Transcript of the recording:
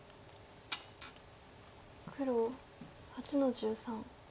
黒８の十三。